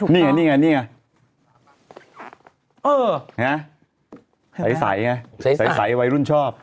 นี่ไงนี่ไงใสไว้รุ่นชอบ